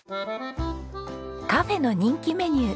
カフェの人気メニュー